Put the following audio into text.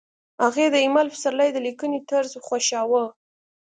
هغې د ایمل پسرلي د لیکنې طرز خوښاوه